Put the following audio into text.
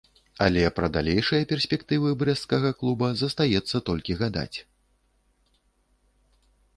Але пра далейшыя перспектывы брэсцкага клуба застаецца толькі гадаць.